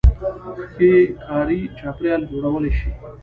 -ښه کاري چاپېریال جوړولای شئ